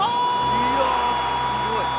いやすごい。